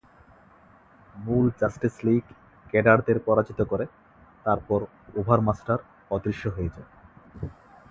মূল Justice League ক্যাডারদের পরাজিত করে, তারপর ওভারমাস্টার অদৃশ্য হয়ে যায়।